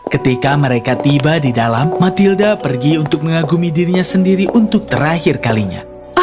ketika mereka tiba di dalam matilda pergi untuk mengagumi dirinya sendiri untuk terakhir kalinya